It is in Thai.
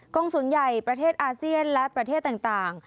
งศูนย์ใหญ่ประเทศอาเซียนและประเทศต่าง